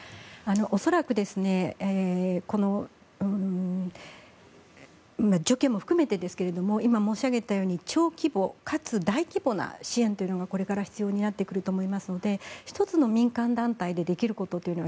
恐らく除去も含めてですけれど今、申し上げたように長規模、かつ大規模な支援がこれから必要になってくると思いますので１つの民間団体でできることというのは